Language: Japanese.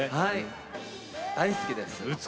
大好きです。